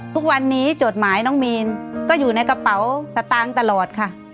ทุกวันนี้จดหมายน้องมีนก็อยู่ในกระเป๋าสตางค์ตลอดค่ะ